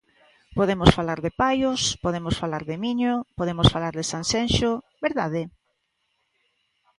Podemos falar de Paios, podemos falar de Miño, podemos falar de Sanxenxo, ¿verdade?